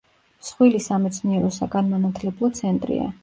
მსხვილი სამეცნიერო-საგანმანათლებლო ცენტრია.